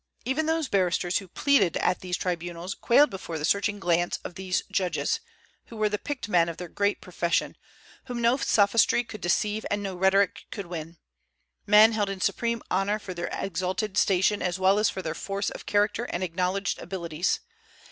Even those barristers who pleaded at these tribunals quailed before the searching glance of these judges, who were the picked men of their great profession, whom no sophistry could deceive and no rhetoric could win, men held in supreme honor for their exalted station as well as for their force of character and acknowledged abilities.